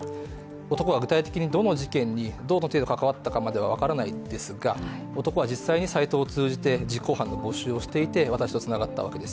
男が具体的にどの事件にどの程度関わったかまでは分からないですが男は実際にサイトを通じて実行犯を募集していて、私とつながったわけです。